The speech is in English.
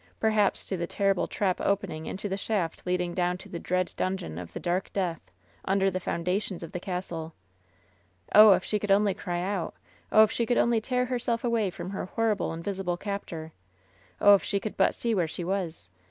Perhaps to the terrible trap opening into the shaft leading down to the dread Dungeon of the Dark Death, under the foundations of the castle. Oh, if she could only cry out. Oh, if she could only tear herself away from her horrible invisible captor. Oh, if she could but see where she was.